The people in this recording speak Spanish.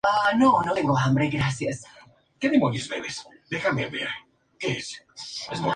Siempre quiso ser veterinaria, pero terminó estudiando periodismo.